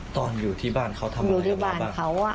ตอนอยู่ที่บ้านเขาทำอะไรกับเราบ้าง